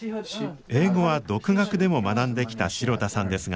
英語は独学でも学んできた城田さんですが。